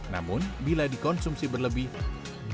namun bila dikonsumsi berlebih tidak akan bisa dikonsumsi di dalam rumah